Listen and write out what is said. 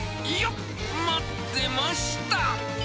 いよっ、待ってました。